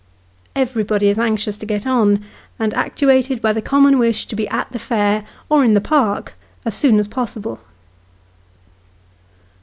Everybody is anxious to get on, and actuated by the common wish to be at the fair, or in the park, as soon as possible.